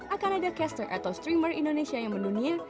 akan ada caster atau streammer indonesia yang mendunia